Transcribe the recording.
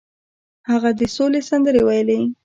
هغه د سولې سندرې ویلې.